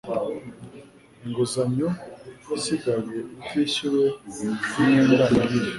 inguzanyo isigaye itishyuwe ku mwenda niyihe